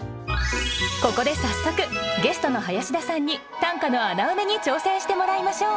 ここで早速ゲストの林田さんに短歌の穴埋めに挑戦してもらいましょう。